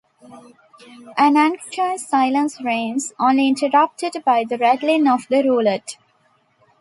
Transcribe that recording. An anxious silence reigns, only interrupted by the rattling of the roulette.